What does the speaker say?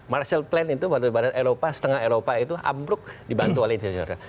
marshall plan itu setengah eropa itu abruk dibantu oleh institusi sosial